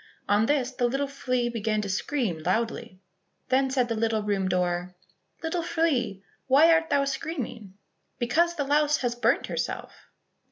On this the little flea began to scream loudly. Then said the little room door, "Little flea, why art thou screaming?" "Because the louse has burnt herself."